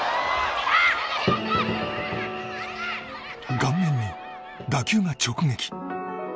顔面に打球が直撃。